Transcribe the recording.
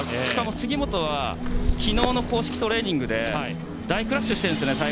しかも杉本は昨日の公式トレーニングで大クラッシュしているんですね